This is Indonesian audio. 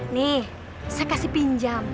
nih saya kasih pinjam